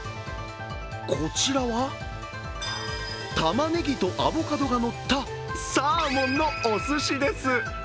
こちらは、たまねぎとアボカドがのったサーモンのおすしです。